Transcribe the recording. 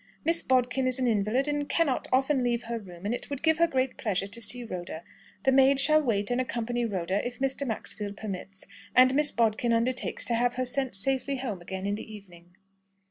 Miss Bodkin is an invalid, and cannot often leave her room, and it would give her great pleasure to see Rhoda. The maid shall wait and accompany Rhoda if Mr. Maxfield permits, and Miss Bodkin undertakes to have her sent safely home again in the evening."